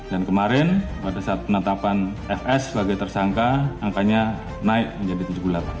dan kemarin pada saat penetapan fs sebagai tersangka angkanya naik menjadi tujuh puluh delapan